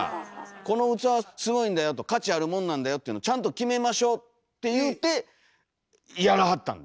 この器すごいんだよと価値あるもんなんだよっていうのちゃんと決めましょうって言うてやらはったんです。